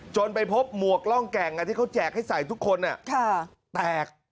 ไปพบหมวกร่องแก่งที่เขาแจกให้ใส่ทุกคนแตก